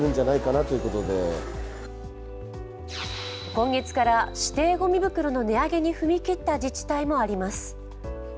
今月から指定ごみ袋の値上げに踏み切った自治体もあります。